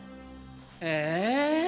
え！